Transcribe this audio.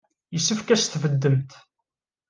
Yessefk ad as-tbeddemt.